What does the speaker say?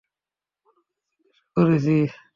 কোন কিছু জিজ্ঞিসা করেছি?